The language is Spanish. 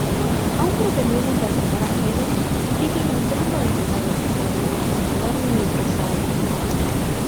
Aún pretendiendo interpretar a Hegel, Pippin intenta defender la sociedad burguesa moderna y prosaica.